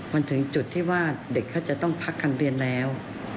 มันถึงจุดที่ว่าเด็กเขาจะต้องพักการเรียนแล้ว